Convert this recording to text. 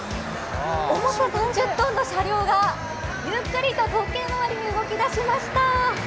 重さ３０ｔの車両がゆっくりと時計回りに動き出しました。